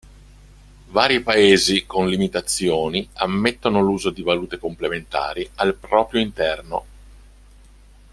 Vari Paesi con limitazioni ammettono l'uso di valute complementari al proprio interno.